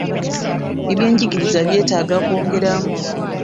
Ebyenjigiriza byetaaga kwongerwamu.